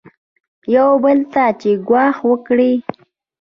یو بل ته یې ګواښ وکړ.